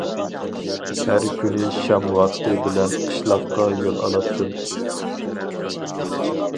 ھەر كۈنى شام ۋاقتى بىلەن قىشلاققا يول ئالاتتىم.